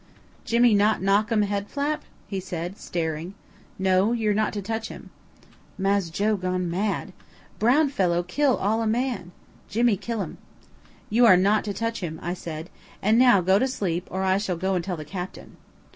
"Jimmy not knock um head flap?" he said staring. "No. You're not to touch him." "Mass Joe gone mad. Brown fellow kill all a man. Jimmy kill um." "You are not to touch him," I said. "And now go to sleep or I shall go and tell the captain."